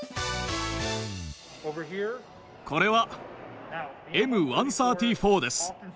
これはＭ１３４です。